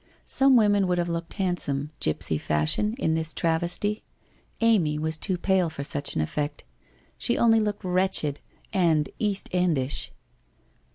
Some women would have looked handsome, gipsy fashion, in this travesty. Amy was too pale for such an effect. She only looked wretched, and East endish.